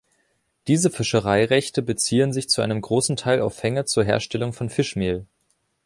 Diese Fischereirechte beziehen sich zu einem großen Teil auf Fänge zur Herstellung von Fischmehl.